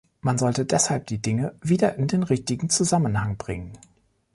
Man sollte deshalb die Dinge wieder in den richtigen Zusammenhang bringen.